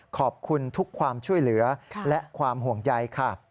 ขอบคุณทุกความช่วยเหลือและความห่วงใยค่ะ